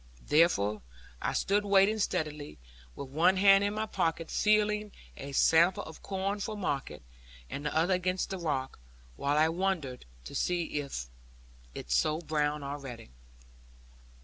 Therefore, I stood waiting steadily, with one hand in my pocket feeling a sample of corn for market; and the other against the rock, while I wondered to see it so brown already.